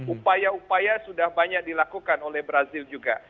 upaya upaya sudah banyak dilakukan oleh brazil juga